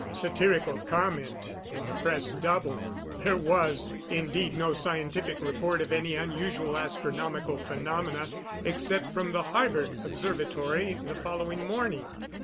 Satirical comment in the press doubled. There was, indeed, no scientific report of any unusual astronomical phenomena, except from the Harvard observatory the following morning.